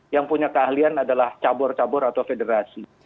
yang punya keahlian adalah cabur cabur atau federasi